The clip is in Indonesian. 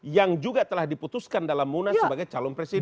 yang juga telah diputuskan dalam munas sebagai calon presiden